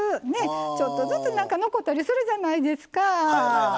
ちょっとずつ残ったりするじゃないですか。